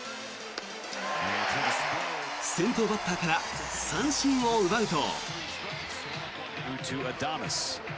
先頭バッターから三振を奪うと。